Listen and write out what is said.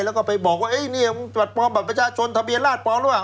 แล้วก็ไปบอกว่านี่บัตรปลอมบัตรประชาชนทะเบียนราชปลอมหรือเปล่า